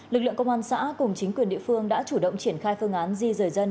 lực lượng công an xã cùng chính quyền địa phương đã chủ động triển khai phương án di rời dân